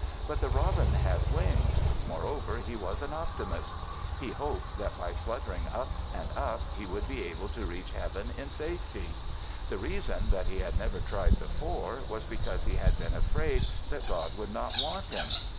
But the robin had wings; moreover he was an optimist. He hoped that by fluttering up and up he would be able to reach Heaven in safety. The reason that he had never tried before was because he had been afraid that God would not want him.